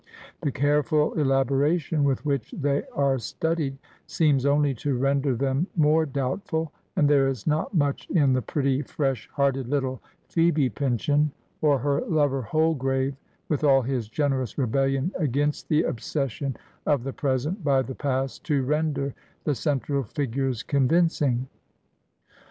The careful elaboration with which they are studied seems only to render them more doubtful, and there is not much in the pretty, fresh hearted Uttle Phoebe Pyncheon, or her lover Holgrave, with all his generous rebellion against the obsession of the present by the past, to render the central figures convincing.